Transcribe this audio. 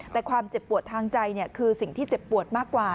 แต่ความเจ็บปวดทางใจคือสิ่งที่เจ็บปวดมากกว่า